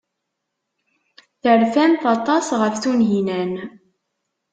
Terfamt aṭas ɣef Tunhinan.